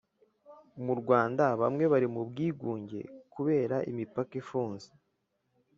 Mu Rwanda bamwe bari mu bwigunge kubera imipaka ifunze